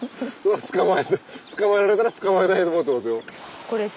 捕まえられたら捕まえたいと思ってますよ。